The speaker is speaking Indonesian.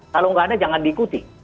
kalau nggak ada jangan diikuti